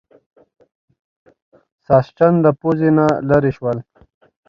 ساسچن له پوزې نه لرې شول.